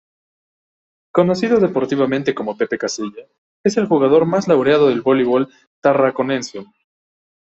Conocido deportivamente como Pepe Casilla, es el jugador más laureado del voleibol tarraconense.